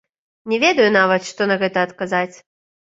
Не ведаю нават, што на гэта адказаць.